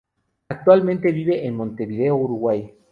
Actualmente vive en Montevideo, Uruguay.